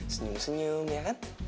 senyum senyum ya kan